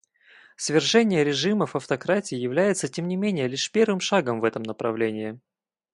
Свержение режимов автократии является, тем не менее, лишь первым шагом в этом направлении.